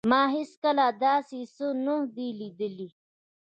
ما هیڅکله داسې څه نه دي لیدلي